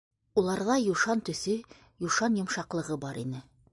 Уларҙа юшан төҫө, юшан йомшаҡлығы бар ине.